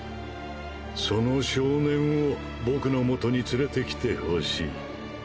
その少年を僕の元に連れてきてほしい。